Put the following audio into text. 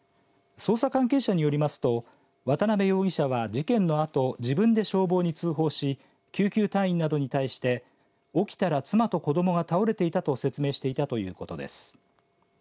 捜査関係者によりますと渡辺容疑者は事件のあと自分で消防に通報し救急隊員などに対して起きたら妻と子どもが倒れていたと説明したということです。